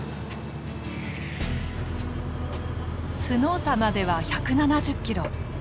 スノーサまでは１７０キロ。